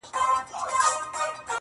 حسن دی چې ستا نګهباني کوي